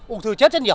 ung thư chết rất nhiều